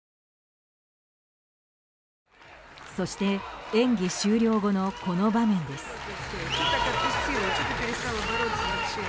そして、演技終了後のこの場面です。